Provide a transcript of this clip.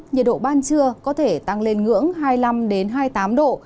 nhiệt độ ban trưa có thể tăng lên ngưỡng hai mươi năm hai mươi tám độ